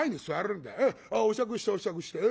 ああお酌してお酌して。